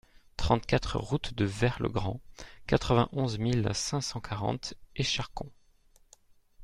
trente-quatre route de Vert le Grand, quatre-vingt-onze mille cinq cent quarante Écharcon